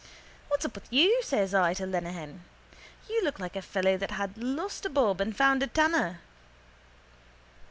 —What's up with you, says I to Lenehan. You look like a fellow that had lost a bob and found a tanner.